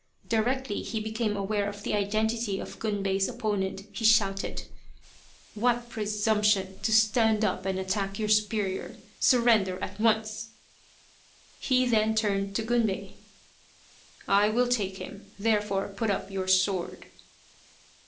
Directly he became aware of the identity of Gunbei's opponent, he shouted :" What presumption to stand up and attack your superior. Surrender at once !" He then turned to Gunbei. " I will take him, therefore put up your sword."